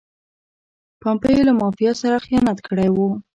بیپو له مافیا سره خیانت کړی و.